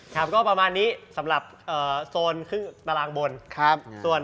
ครับก็ประมาณนี้สำหรับโซน๒ประลางบน